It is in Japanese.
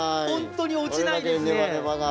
本当に落ちないんですね。